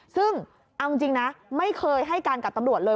ซึ่งเอาจริงนะไม่เคยให้การกับตำรวจเลย